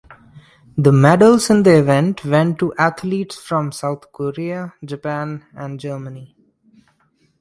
The medals in the event went to athletes from South Korea, Japan, and Germany.